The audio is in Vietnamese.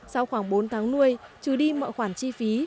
sau khoảng bốn tháng nuôi trừ đi mọi khoản chi phí